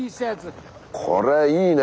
これいいね。